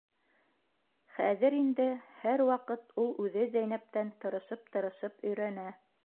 Хәҙер инде һәр ваҡыт ул үҙе Зәйнәптән тырышып-тырышып өйрәнә.